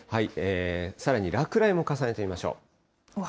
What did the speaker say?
さらに落雷も重ねてみましょう。